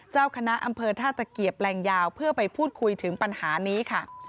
เจ้าคณะอำเภอท่าตะเกียบแรงยาวเพื่อไปพูดคุยถึงปัญหานี้ค่ะ